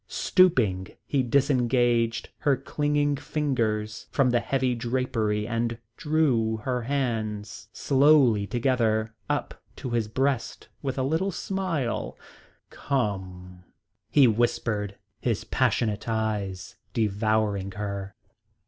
Stooping he disengaged her clinging fingers from the heavy drapery and drew her hands slowly together up to his breast with a little smile. "Come," he whispered, his passionate eyes devouring her.